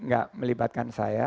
gak melibatkan saya